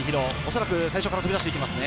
恐らく最初から飛び出していきますね。